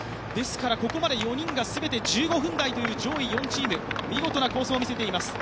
ここまで４人が全て１５分台という上位４チーム、見事な好走を見せています。